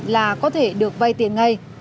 là có thể được vay tiền ngay